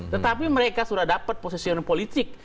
tetapi mereka sudah dapat positioning politik